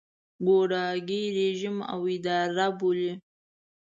ګوډاګی رژیم او اداره بولي.